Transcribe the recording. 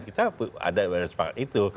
kita ada semangat itu